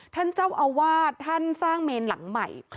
ท่านเจ้าอาวาสท่านสร้างเมนหลังใหม่